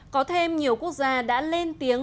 có thêm nhiều quốc gia đã lên tiếng